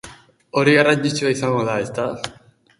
Hori garrantzitsua izango da, ezta?